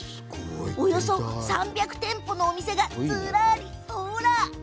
およそ３００店舗のお店がずらりと、ほら。